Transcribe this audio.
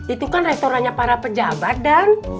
itu kan restorannya para pejabat dan